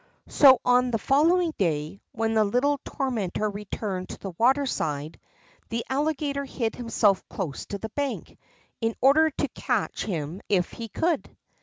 So on the following day, when his little tormentor returned to the waterside, the Alligator hid himself close to the bank, in order to catch him if he could.